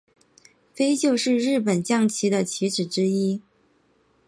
飞鹫是日本将棋的棋子之一。